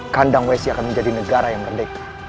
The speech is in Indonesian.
kandang wesi akan menjadi negara yang merdeka